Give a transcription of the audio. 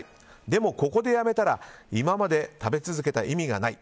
でも、ここでやめたら今まで食べ続けた意味がない。